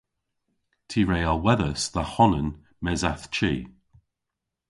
Ty re alhwedhas dha honan mes a'th chi.